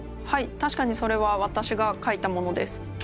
たしかにそれは私がかいたものです。